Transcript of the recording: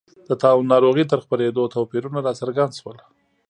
د طاعون ناروغۍ تر خپرېدو توپیرونه راڅرګند شول.